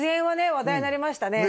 話題になりましたね